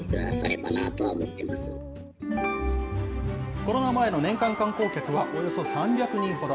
コロナ前の年間観光客は、およそ３００人ほど。